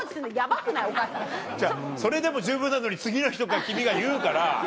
それでも十分なのに「次の日」とか君が言うから。